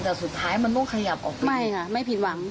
แต่สุดท้ายมันต้องขยับออกไม่ค่ะไม่ผิดหวัง